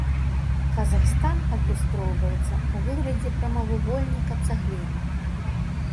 Казахстан адлюстроўваецца ў выглядзе прамавугольніка-цагліны.